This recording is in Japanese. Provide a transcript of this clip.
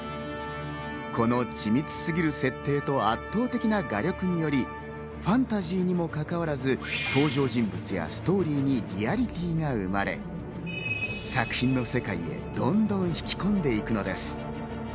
この緻密すぎる設定と圧倒的な画力により、ファンタジーにもかかわらず、登場人物やストーリーにリアリティーが生まれ、作品の世界へとどんどんと引き込んでいくのです。